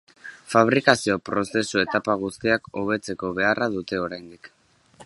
Fabrikazio prozesu etapa guztiak hobetzeko beharra dute oraindik.